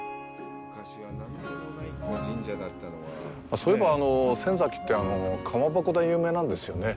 そういえば仙崎ってかまぼこで有名なんですよね。